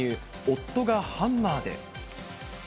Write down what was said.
夫がハンマーで。